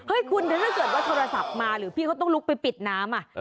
คุณถ้าเกิดว่าโทรศัพท์มาหรือพี่เขาต้องลุกไปปิดน้ำ